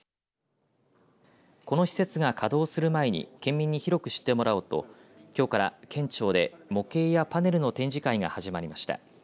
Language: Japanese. この施設が稼働する前に県民に広く知ってもらおうときょうから県庁で模型やパネルの展示会が始まりました。